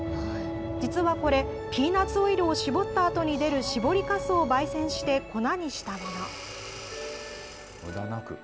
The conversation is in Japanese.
実はこれ、ピーナツオイルを搾ったあとに出る、搾りかすをばい煎して、粉にむだなく。